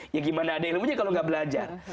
ya bagaimana ada ilmunya kalau tidak belajar